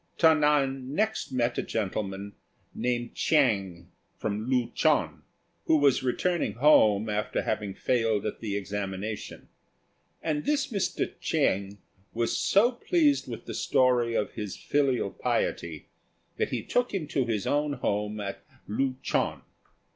Ta nan next met a gentleman named Chiang, from Lu chou, who was returning home after having failed at the examination; and this Mr. Chiang was so pleased with the story of his filial piety that he took him to his own home at Lu chou.